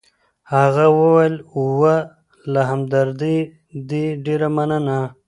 هغه وویل: اوه، له همدردۍ دي ډېره مننه.